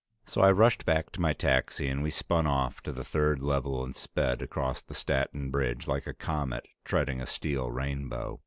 So I rushed back to my taxi and we spun off to the third level and sped across the Staten bridge like a comet treading a steel rainbow.